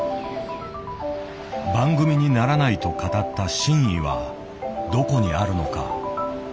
「番組にならない」と語った真意はどこにあるのか。